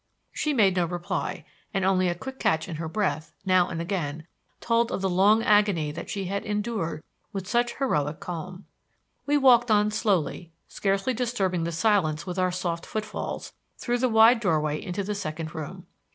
She made no reply, and only a quick catch in her breath, now and again, told of the long agony that she had endured with such heroic calm. We walked on slowly, scarcely disturbing the silence with our soft footfalls, through the wide doorway into the second room.